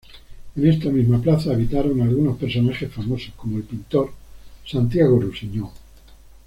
En esta misma plaza habitaron algunos personajes famosos como el pintor Santiago Rusiñol.